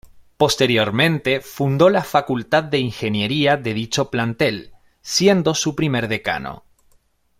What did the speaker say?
Posteriormente fundó la facultad de ingeniería de dicho plantel, siendo su primer decano.